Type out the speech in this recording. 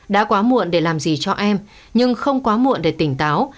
đã quá muộn để làm gì cho em nhưng không quá muộn để tỉnh táo